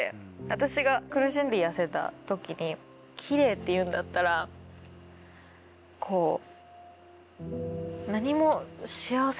私が苦しんで痩せた時にキレイっていうんだったら。と思って。